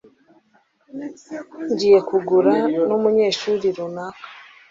Ngiye guhura numunyeshuri runaka.